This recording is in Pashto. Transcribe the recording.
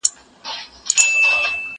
زه پرون د سبا لپاره د ژبي تمرين کوم